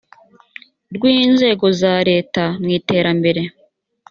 rw inzego za leta mu iterambere